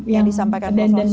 yang disampaikan oleh prof sonno